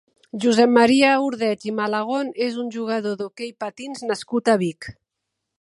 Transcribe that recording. Josep Maria Ordeig i Malagón és un jugador d'hoquei patins nascut a Vic.